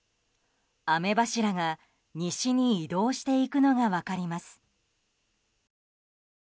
雨柱が西に移動していくのが分かります。